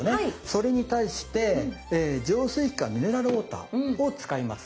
それに対して浄水器かミネラルウォーターを使います。